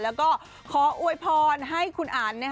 แล้วก็ขออวยพรให้คุณอัน